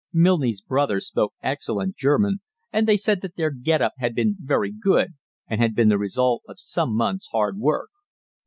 Milne's brother spoke excellent German, and they said that their "get up" had been very good and had been the result of some months' hard work.